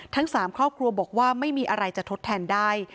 ทั้ง๓ครอบครัวบอกว่าไม่มีอะไรจะทดแทนได้